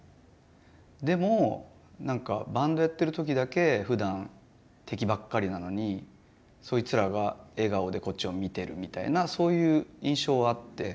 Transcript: でもなんかバンドやってる時だけふだん敵ばっかりなのにそいつらが笑顔でこっちを見てるみたいなそういう印象はあって。